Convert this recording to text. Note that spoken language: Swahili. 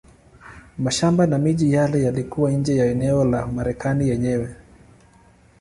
Mashamba na miji yale yalikuwa nje ya eneo la Marekani yenyewe.